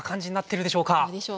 どうでしょうか？